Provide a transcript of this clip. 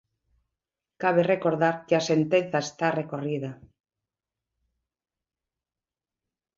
Cabe recordar que a sentenza está recorrida.